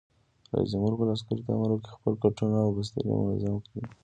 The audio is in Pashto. رئیس جمهور خپلو عسکرو ته امر وکړ؛ خپل کټونه او بسترې منظم کړئ!